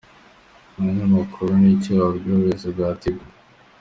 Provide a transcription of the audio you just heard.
Umunyamakuru: Ni iki wabwira ubuyobozi bwa Tigo?.